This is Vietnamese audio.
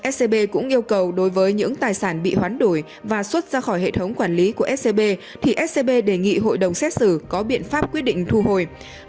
scb cũng yêu cầu đối với những tài sản bị hoán đổi và xuất ra khỏi hệ thống quản lý của scb thì scb đề nghị hội đồng xét xử có biện pháp quyết định thu hồi